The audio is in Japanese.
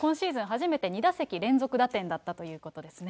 初めて２打席連続打点だったということですね。